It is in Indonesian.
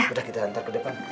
udah kita hantar ke depan